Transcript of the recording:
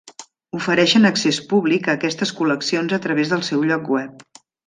Ofereixen accés públic a aquestes col·leccions a través del seu lloc web.